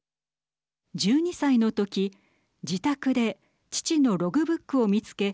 １２歳の時、自宅で父のログブックを見つけ